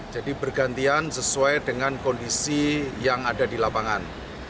jadi bergantian sesuai dengan kondisi yang ada di lapangan